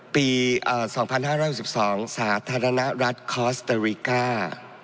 ปี๒๕๖๒สาธารณรัฐคอสเตอริกา